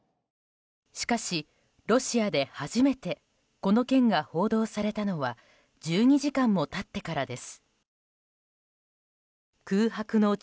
しかし、ロシアで初めてこの件が報道されたのは１２時間も経ってからです。